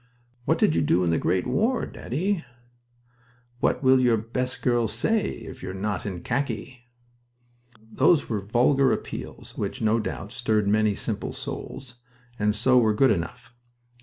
... "What did you do in the Great War, Daddy?"... "What will your best girl say if you're not in khaki?" Those were vulgar appeals which, no doubt, stirred many simple souls, and so were good enough.